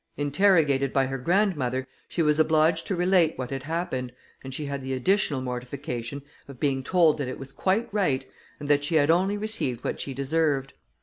Interrogated by her grandmother, she was obliged to relate what had happened, and she had the additional mortification of being told that it was quite right, and that she had only received what she deserved.